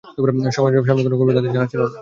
সামনের কোন খবরও তাদের জানা ছিল না।